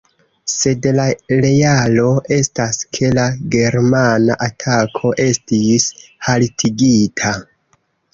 Sed la realo estas, ke la germana atako estis haltigita.